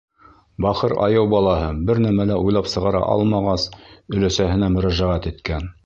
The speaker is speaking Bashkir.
Бахыр айыу балаһы бер нәмә лә уйлап сығара алмағас, өләсәһенә мөрәжәғәт иткән.